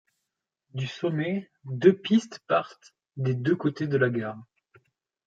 Du sommet, deux pistes partent des deux côtés de la gare.